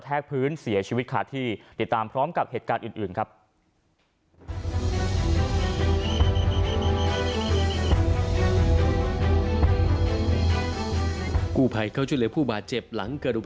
ก็คือเห็นเขามาจากไปแล้วแล้ว